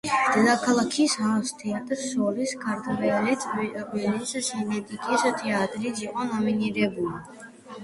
დედაქალაქის ას თეატრს შორის ქართველი წყვილის სინეტიკის თეატრიც იყო ნომინირებული.